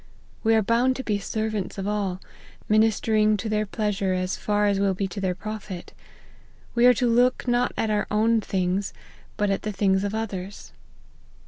We are bound to be servants of all, ministering to their pleasure as far as will be to their profit. We are to * look not at our own things, but at the things of others.'